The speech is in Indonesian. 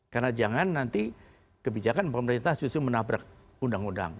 karena jangan nanti kebijakan pemerintah susu menabrak undang undang